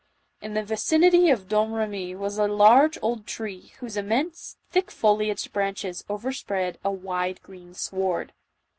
In the vicinity of Domremy was a large old tree, whose immense, thickly foliaged branches overspread a wide green sward.